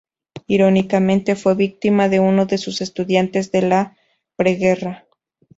Irónicamente fue víctima de uno de sus estudiantes de la preguerra.